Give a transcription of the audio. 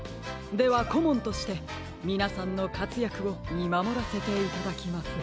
ではこもんとしてみなさんのかつやくをみまもらせていただきます。